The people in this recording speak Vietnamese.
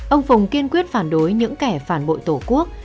ông phùng kiên quyết phản đối những kẻ phản bội tổ quốc